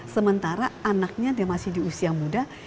sementara anaknya dia masih di usia muda